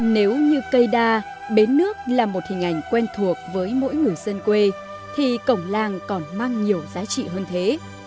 nếu như cây đa bến nước là một hình ảnh quen thuộc với mỗi người dân quê thì cổng làng còn mang nhiều giá trị hơn thế